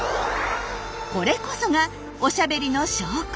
これこそが「おしゃべり」の証拠。